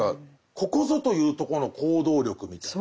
ここぞというとこの行動力みたいな。